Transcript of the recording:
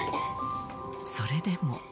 それでも。